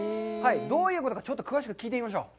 どういうことかちょっと詳しく聞いてみましょう。